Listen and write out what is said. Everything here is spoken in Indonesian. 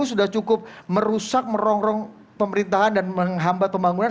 sudah cukup merusak merongrong pemerintahan dan menghambat pembangunan